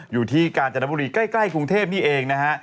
อยู่ที่กาญจนบุรีใกล้กรุงเทพนี่เองนะฮะ